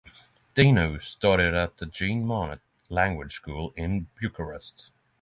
Dinu studied at the Jean Monnet language school in Bucharest.